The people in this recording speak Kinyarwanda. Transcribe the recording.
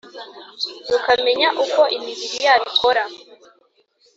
rukamenya uko imibiri yabo ikora